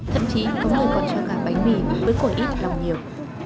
thậm chí có người còn cho gà bánh mì với quẩy ít lòng nhiều